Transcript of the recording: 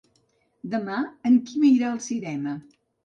Demà en Quim irà al cinema.